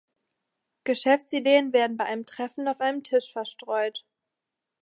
Geschäftsideen werden bei einem Treffen auf einem Tisch verstreut.